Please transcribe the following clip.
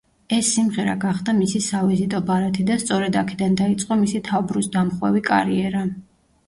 ეს სიმღერა გახდა მისი სავიზიტო ბარათი და სწორედ აქედან დაიწყო მისი თავბრუსდამხვევი კარიერა.